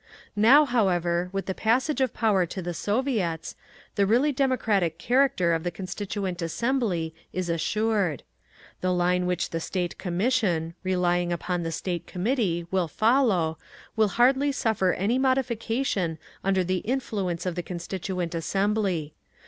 Now, however, with the passage of power to the Soviets, the really democratic character of the Constituent Assembly is assured. The line which the State Commission, relying upon the State Committee, will follow, will hardly suffer any modification under the influence of the Constituent Assembly.